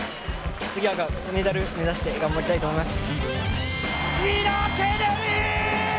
次はメダル目指して頑張りたいと思います。